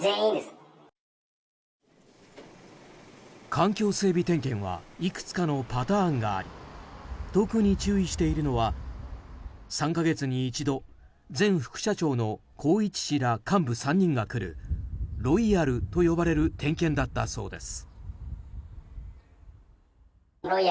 環境整備点検はいくつかのパターンがあり特に注意しているのは３か月に一度前副社長の宏一氏ら幹部３人が来るロイヤルと呼ばれる点検だったそうです。